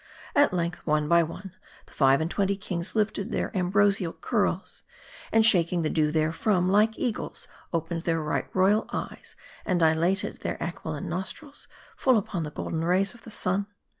At length, one by one, the five and twenty kings lifted their ambrosial curls ; and shaking the dew therefrom, like eagles opened their right royal eyes, and dilated their aqui line nostrils, full upon the golden rays of the sun.